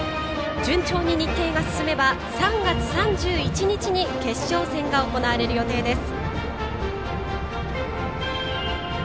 順調に日程が進めば３月３１日に決勝戦が行われる予定です。